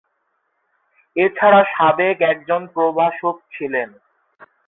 এছাড়া সাবেক একজন প্রভাষক তিনি।